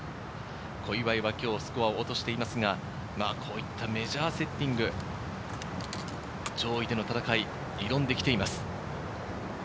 小祝は今日スコアを落としていますが、こういったメジャーセッティング、上位での戦い、挑んできています。